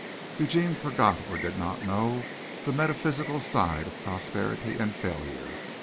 Eugene forgot or did not know the metaphysical side of prosperity and failure.